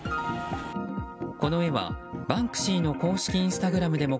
この絵はバンクシーの公式インスタグラムでも